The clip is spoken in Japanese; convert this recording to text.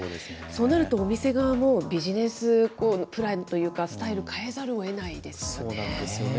そうなると、お店側もビジネスプランというか、スタイル、変えざるをえないですよね。